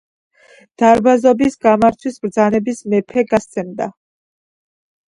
დარბაზობის გამართვის ბრძანებას მეფე გასცემდა.